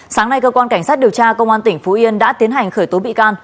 sáng nay cơ quan cảnh sát điều tra công an tỉnh phú yên đã tiến hành khởi tố bị can